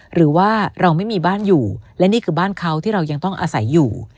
หรือว่าเราไม่มีบ้านอยู่และนี่คือบ้านเขาที่เรายังต้องอาศัยอยู่